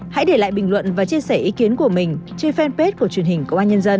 hãy để lại bình luận và chia sẻ ý kiến của mình trên fanpage của truyền hình công an nhân dân